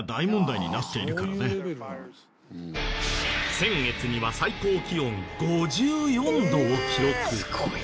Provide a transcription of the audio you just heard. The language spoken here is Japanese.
先月には最高気温５４度を記録。